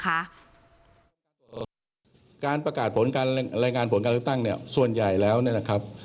การประกาศผลการรายงานผลการเลือกตั้งเนี่ยส่วนใหญ่แล้วเนี่ยนะครับ